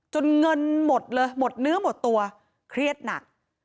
เงินหมดเลยหมดเนื้อหมดตัวเครียดหนัก